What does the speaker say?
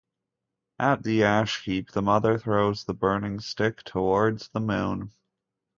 At the ash-heap, the mother throws the burning stick towards the moon.